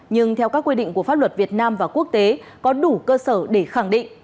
nhưng theo các quy định của pháp luật việt nam và quốc tế có đủ cơ sở để khẳng định